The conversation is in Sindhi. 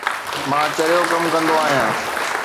مان چريو ڪم ڪندو آهيان